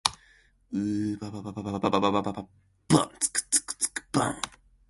乳母は、さきほど私を残しておいた場所に戻ってみると、私がいないし、いくら呼んでみても、返事がないので、